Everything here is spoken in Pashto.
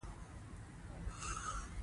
بادام د افغانستان د طبیعت برخه ده.